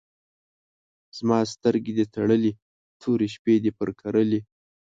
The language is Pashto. زما سترګې دي تړلي، تورې شپې دي پر کرلي